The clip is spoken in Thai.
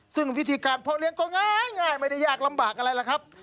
ซึ่งวิธีการเพาะเลี้ยงก็ง่ายไม่ได้ยากลำบากอะไรล่ะครับ